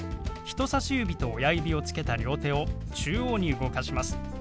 人さし指と親指をつけた両手を中央に動かします。